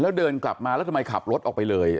แล้วเดินกลับมาแล้วทำไมขับรถออกไปเลย